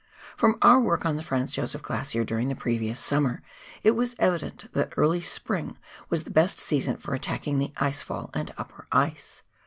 From our work on the Franz Josef Glacier during the previous summer, it was evident that early spring was the best season for attacking the ice fall and upper ice.